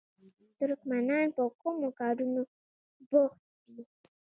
ترکمنان په کومو کارونو بوخت دي؟